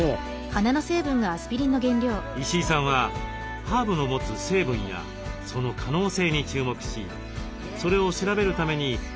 石井さんはハーブの持つ成分やその可能性に注目しそれを調べるために多くの種類のハーブを育てているのです。